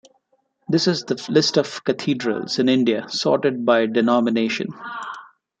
This is the list of cathedrals in India sorted by denomination.